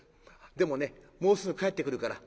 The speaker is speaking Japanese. でもねもうすぐ帰ってくるから。